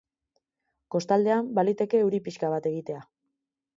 Kostaldean baliteke euri pixka bat egitea.